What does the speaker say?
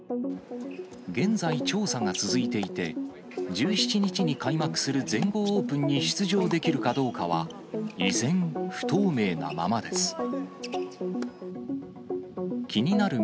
現在、調査が続いていて、１７日に開幕する全豪オープンに出場できるかどうかは、依然不透明なままです。